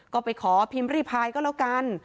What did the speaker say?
ก็ไปขอพิมพ์ริพายก็แล้วกัน